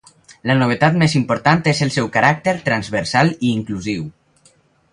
La novetat més important és el seu caràcter transversal i inclusiu.